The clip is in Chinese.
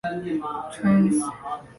川陕苏区设。